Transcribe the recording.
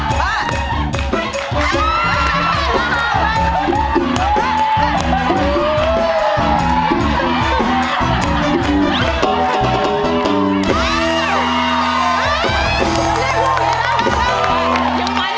มันเรียกพวกนี้แล้ว